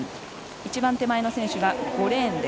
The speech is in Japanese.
一番手前の選手が５レーン。